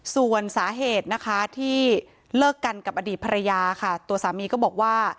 ส่วนสาเหตุนะคะที่เลิกกันกับอดีตภรรยาค่ะตัวสามีก็บอกว่า